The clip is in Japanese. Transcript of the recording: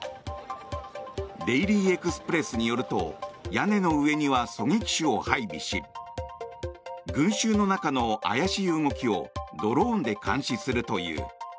デイリー・エクスプレスによると屋根の上には狙撃手を配備し群衆の中の怪しい動きをドローンで監視するという。